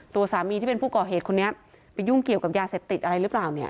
ตัวสามีที่เป็นผู้ก่อเหตุคนนี้ไปยุ่งเกี่ยวกับยาเสพติดอะไรหรือเปล่าเนี่ย